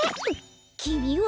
きみは！？